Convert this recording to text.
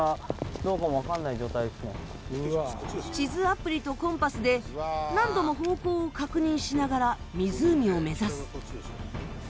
地図アプリとコンパスで何度も方向を確認しながら湖を目指す。